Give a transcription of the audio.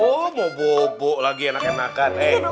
oh mau bobok lagi enakan enakan